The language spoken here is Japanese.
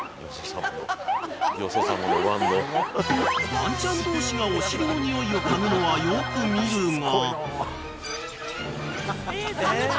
［ワンちゃん同士がお尻のにおいを嗅ぐのはよく見るが］